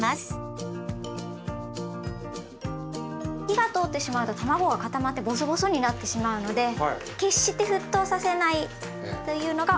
火が通ってしまうとたまごが固まってぼそぼそになってしまうので決して沸騰させないというのがポイントです。